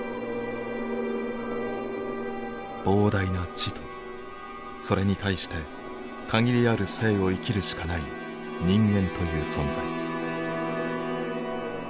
膨大な知とそれに対して限りある生を生きるしかない人間という存在。